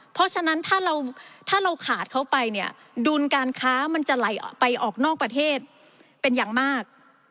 เพราะฉะนั้นถ้าเราถ้าเราขาดเขาไปเนี่ยดุลการค้ามันจะไหลออกไปออกนอกประเทศเป็นอย่างมาก